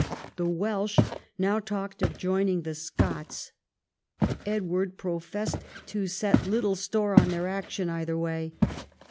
The Welsh now talked of joining the Scots. Edward professed to set little store on their action either way.